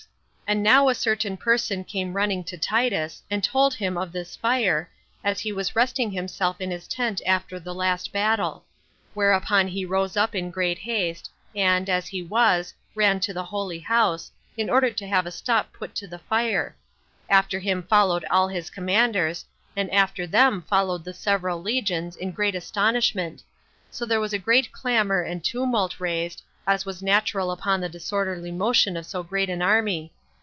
And now a certain person came running to Titus, and told him of this fire, as he was resting himself in his tent after the last battle; whereupon he rose up in great haste, and, as he was, ran to the holy house, in order to have a stop put to the fire; after him followed all his commanders, and after them followed the several legions, in great astonishment; so there was a great clamor and tumult raised, as was natural upon the disorderly motion of so great an army.